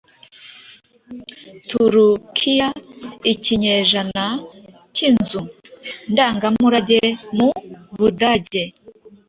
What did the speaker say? Turukiya Ikinyejana cyInzu ndangamurage mu Budage